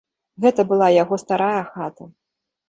Гэта была яго старая хата.